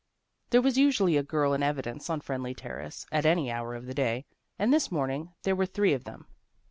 There was usually a girl in evidence on Friendly Terrace at any hour of the day, and this morning there were three of them.